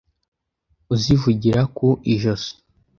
Uzivugira ku ijosi